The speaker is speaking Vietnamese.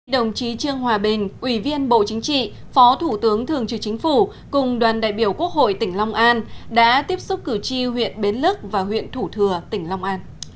đồng chí trương hòa bình ủy viên bộ chính trị phó thủ tướng thường trực chính phủ cùng đoàn đại biểu quốc hội tỉnh long an đã tiếp xúc cử tri huyện bến lức và huyện thủ thừa tỉnh long an